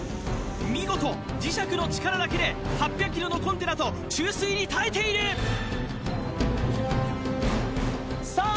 見事磁石の力だけで８００ｋｇのコンテナと注水に耐えているさあ